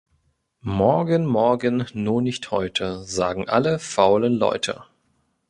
Morgen, morgen, nur nicht heute, sagen alle faulen Leute.